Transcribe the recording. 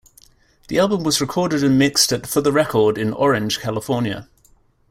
The album was recorded and mixed at "For the Record" in Orange, California.